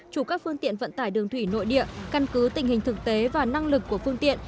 chủ các phương tiện vận tải đường thủy nội địa căn cứ tình hình thực tế và năng lực của phương tiện